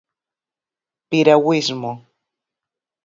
Piragüismo.